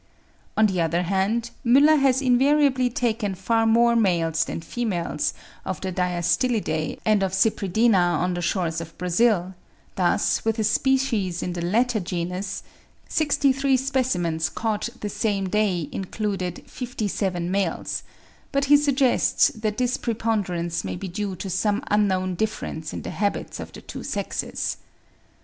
On the other hand, Müller has invariably taken far more males than females of the Diastylidae and of Cypridina on the shores of Brazil: thus with a species in the latter genus, 63 specimens caught the same day included 57 males; but he suggests that this preponderance may be due to some unknown difference in the habits of the two sexes.